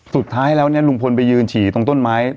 สุดท้ายแล้วเนี่ยลุงพลไปยืนฉี่ตรงต้นไม้